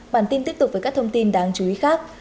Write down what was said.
bản tin tiếp tục với các thông tin đáng chú ý khác